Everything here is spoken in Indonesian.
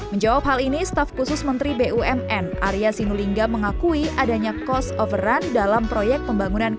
menjawab hal ini staf khusus menteri bumn arya sinulinga mengakui adanya cost overrun dalam proyek pembangunan